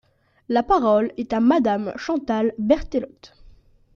La parole est à Madame Chantal Berthelot.